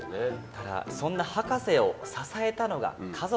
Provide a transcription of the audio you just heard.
ただそんな博士を支えたのが家族です。